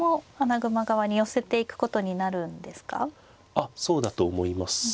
あっそうだと思います。